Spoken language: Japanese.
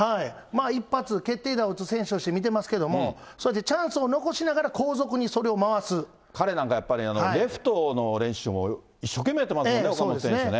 一発、決定打を打つ選手として見てますけども、それでチャンスを残しながら、彼なんか、やっぱり、レフトの練習も一生懸命やってますもんね、岡本選手ね。